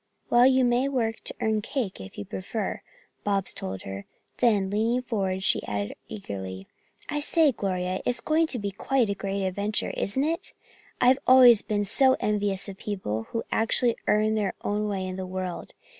"Well, you may work to earn cake if you prefer," Bobs told her, then leaning forward she added eagerly: "I say, Gloria, it's going to be a great adventure, isn't it? I've always been so envious of people who actually earned their own way in the world.